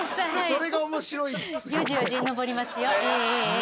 それが面白いですよね。